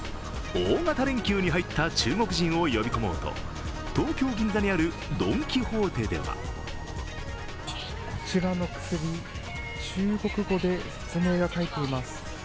大型連休に入った中国人を呼び込もうと東京・銀座にあるドン・キホーテではこちらの薬、中国語で説明が書いています。